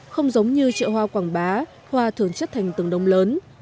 không giống như triệu hoa quảng bá hoa thường chất thành từng đông lớn